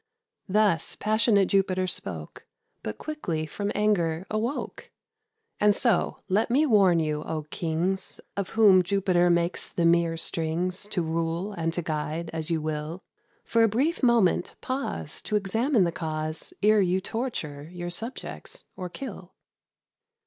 Thus passionate Jupiter spoke, But quickly from anger awoke. And so, let me warn you, O Kings! Of whom Jupiter makes the mere strings, To rule and to guide as you will; For a brief moment pause, To examine the cause, Ere you torture your subjects, or kill.